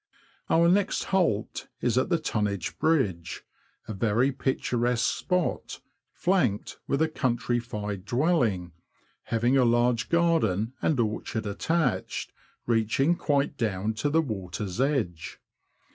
Our next halt is at the Tonnage Bridge, a very picturesque spot, flanked with a countrified dwelling, having a large garden and orchard attached, reaching quite down to the water's edge.